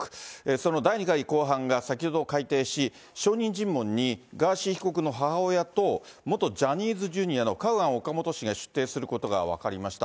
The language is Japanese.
その第２回公判が先ほど開廷し、証人尋問にガーシー被告の母親と元ジャニーズＪｒ．のカウアン・オカモト氏が出廷することが分かりました。